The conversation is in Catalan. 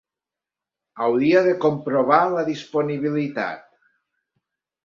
Hauria de comprovar la disponibilitat.